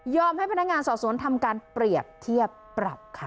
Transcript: ให้พนักงานสอบสวนทำการเปรียบเทียบปรับค่ะ